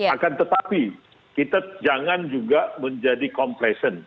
akan tetapi kita jangan juga menjadi complession